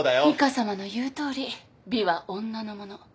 ミカさまの言うとおり美は女のもの。